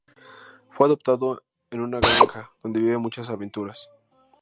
Fue adoptado en una granja, donde vive muchas aventuras.